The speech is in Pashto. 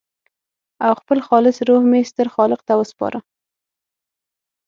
او خپل خالص روح مې ستر خالق ته وسپاره.